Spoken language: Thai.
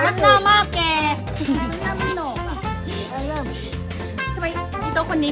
คุณพ่อมีลูกทั้งหมด๑๐ปี